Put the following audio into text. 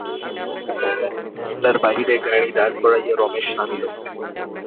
বাংলার বাহিরে গাড়ি দাঁড় করাইয়া রমেশ নামিল।